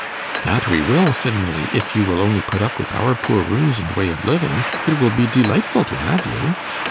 'That we will,' said Milly, 'if you will only put up with our poor rooms and way of living. It will be delightful to have you!